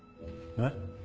えっ？